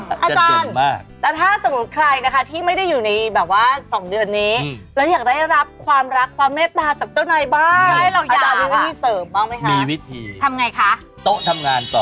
อาจารย์จะเต็มมาก